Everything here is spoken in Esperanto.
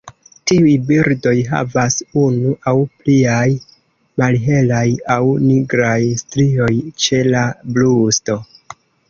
Tiuj birdoj havas unu aŭ pliaj malhelaj aŭ nigraj strioj ĉe la brusto.